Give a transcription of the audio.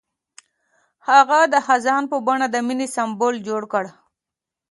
هغه د خزان په بڼه د مینې سمبول جوړ کړ.